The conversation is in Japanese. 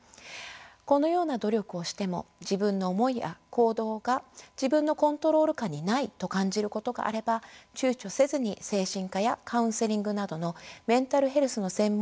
このような努力をしても自分の思いや行動が自分のコントロール下にないと感じることがあればちゅうちょせずに精神科やカウンセリングなどのメンタルヘルスの専門家への受診を考えてほしいと思います。